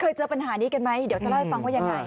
เจอปัญหานี้กันไหมเดี๋ยวจะเล่าให้ฟังว่ายังไง